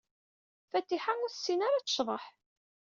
Fatiḥa ur tessin ara ad tecḍeḥ.